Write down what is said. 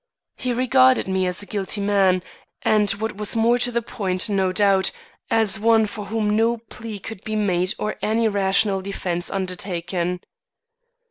He regarded me as a guilty man, and what was more to the point no doubt, as one for whom no plea could be made or any rational defence undertaken.